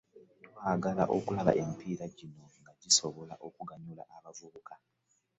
Twagala okulaba ng'emipiira gino gisobola okuganyula abavubuka